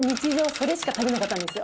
それしか食べなかったんですよ。